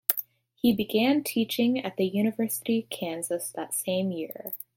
He began teaching at the University of Kansas that same year.